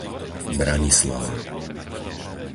Branislava